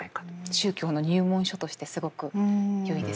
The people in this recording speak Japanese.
宗教の入門書としてすごくよいですよね。